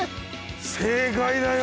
正解だよ！